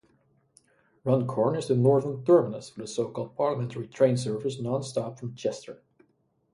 Runcorn is the northern terminus for the so-called parliamentary train service non-stop from Chester.